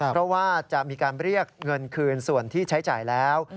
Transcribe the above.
เพราะว่าจะมีการเรียกเงินคืนส่วนที่ใช้จ่ายแล้ว